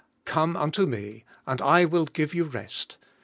'Come unto me, and I will give you rest.